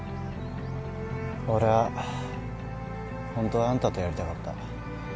俺はホントはあんたとやりたかった。